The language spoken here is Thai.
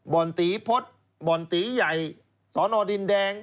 บ่อนตีพฤษบ่อนตีใหญ่สอนอดินแดง